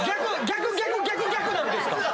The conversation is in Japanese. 逆逆逆逆なんですか